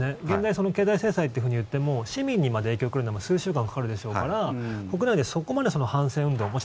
現在、経済制裁って言っても市民にまで影響が来るのは数週間かかるでしょうから国内でそこまで反戦運動